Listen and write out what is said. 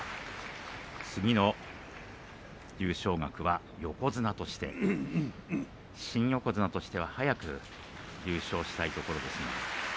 次の優勝額は横綱として新横綱としては早く優勝したいところです。